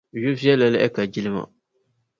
Yu'viɛlli lahi ka jilima.